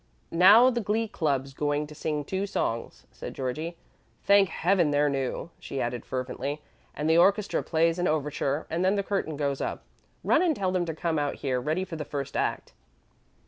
"Now the glee club's going to sing two songs," said Georgie. "Thank heaven, they're new!" she added fervently. "And the orchestra plays an overture, and then the curtain goes up. Run and tell them to come out here, ready for the first act."